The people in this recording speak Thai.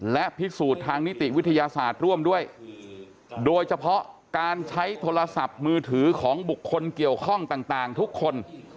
และพิสูจน์ทางนิติวิทยาศาสตร์ร่วมด้วยโดยเฉพาะการใช้โทรศัพท์มือถือของบุคคลเกี่ยวข้องต่างทุกคน